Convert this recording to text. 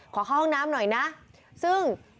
ขอเข้าห้องน้ำหน่อยนะซึ่ง